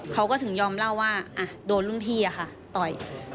เขาก็ถึงยอมเล่าว่าโดนรุ่นพี่ค่ะต่อย